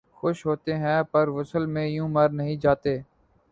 خوش ہوتے ہیں پر وصل میں یوں مر نہیں جاتے